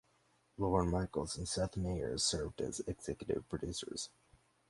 Lorne Michaels and Seth Meyers serve as executive producers.